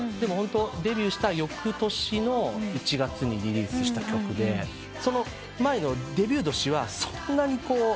デビューしたよくとしの１月にリリースした曲でその前のデビュー年はそんなにこう。